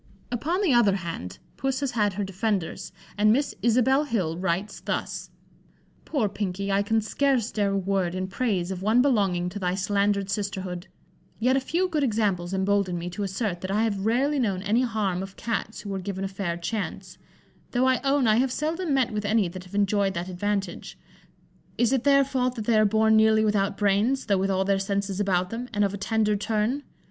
Upon the other hand, Puss has had her defenders, and Miss Isabel Hill writes thus: "Poor Pinkey, I can scarce dare a word in praise of one belonging to thy slandered sisterhood; yet a few good examples embolden me to assert that I have rarely known any harm of Cats who were given a fair chance, though I own I have seldom met with any that have enjoyed that advantage. Is it their fault that they are born nearly without brains, though with all their senses about them, and of a tender turn?